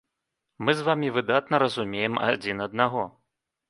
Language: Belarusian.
Мы з вамі выдатна разумеем адзін аднаго.